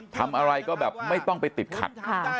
ทำอะไรก็แบบไม่ต้องไปติดขัด